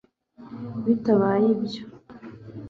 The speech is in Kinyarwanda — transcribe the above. bitabaye ibyo